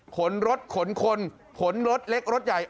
ขนรถขนคนขนรถเล็กรถใหญ่